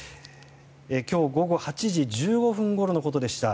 今日午後８時１５分ごろのことでした。